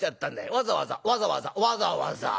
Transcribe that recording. わざわざわざわざわざわざ。